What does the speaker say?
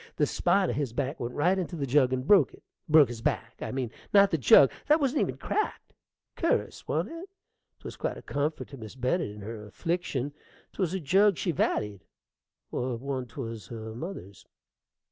The spine of his back went right onto the jug and broke it, broke his back, I mean, not the jug: that wa'n't even cracked. Cur'us, wa'n't it? 'Twas quite a comfort to Miss Bennet in her affliction: 'twas a jug she valleyed, one 'twas her mother's....